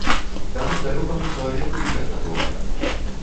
Таму далёкаму чалавеку й гэта добра.